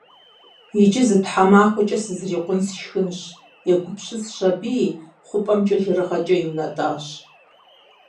«Иджы зы тхьэмахуэкӀэ сызрикъун сшхынщ», - егупсысщ аби, хъупӀэмкӀэ жэрыгъэкӀэ иунэтӀащ.